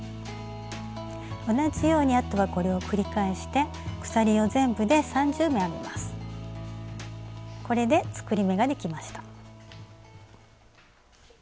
同じようにあとはこれを繰り返してこれで作り目ができました。